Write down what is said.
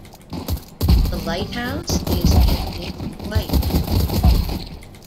The lighthouse is painted white.